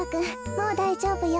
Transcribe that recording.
もうだいじょうぶよ。